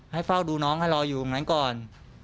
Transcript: ให้เฝ้าดูน้องให้รออยู่ไหนก่อน